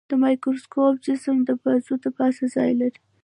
د مایکروسکوپ جسم د بازو د پاسه ځای لري.